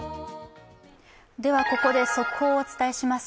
ここで速報をお伝えします。